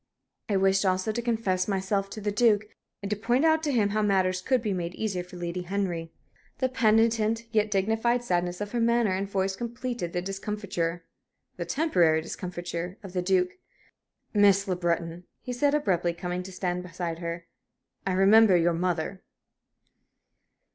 I wished also to confess myself to the Duke, and to point out to him how matters could be made easier for Lady Henry." The penitent, yet dignified, sadness of her manner and voice completed the discomfiture the temporary discomfiture of the Duke. "Miss Le Breton," he said, abruptly, coming to stand beside her, "I remember your mother."